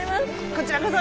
こちらこそ！